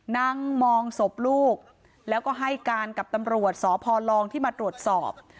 นั่งมองศพลูกแล้วก็ให้การกับตำรวจสพลองที่มาตรวจสอบ